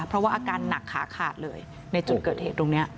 เพราะว่าอาการหนักขาขาดเลยในจุดเกิดเหตุตรงนี้